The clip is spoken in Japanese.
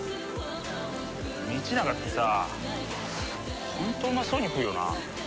道長ってさホントうまそうに食うよな。